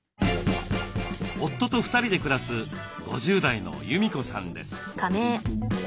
夫と２人で暮らす５０代の裕美子さんです。